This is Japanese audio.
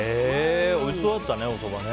おいしそうだったね、おそばね。